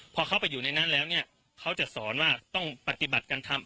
พอเข้าไปอยู่ในนั้นแล้วเนี่ยเขาจะสอนว่าต้องปฏิบัติการทำ